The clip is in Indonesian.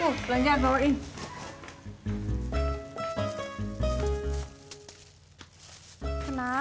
tuh belanjaan bawain